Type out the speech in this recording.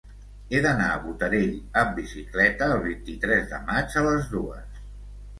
He d'anar a Botarell amb bicicleta el vint-i-tres de maig a les dues.